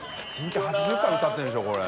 １日８０回歌ってるんでしょこれ。）